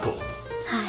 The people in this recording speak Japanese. はい。